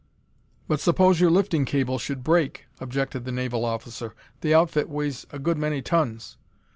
"But suppose your lifting cable should break?" objected the naval officer. "The outfit weighs a good many tons."